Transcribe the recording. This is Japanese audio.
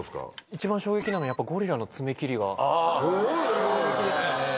一番衝撃なのやっぱゴリラの爪切りが衝撃でしたね。